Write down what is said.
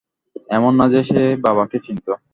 এমন না যে সে বাবাকে চিনতো।